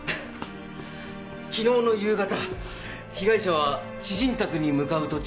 昨日の夕方被害者は知人宅に向かう途中。